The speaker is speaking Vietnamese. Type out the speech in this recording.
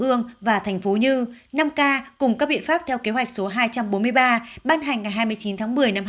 hà nội và thành phố như năm k cùng các biện pháp theo kế hoạch số hai trăm bốn mươi ba ban hành ngày hai mươi chín tháng một mươi